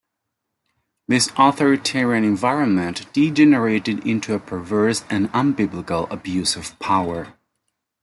This authoritarian environment degenerated into a perverse and unbiblical abuse of power.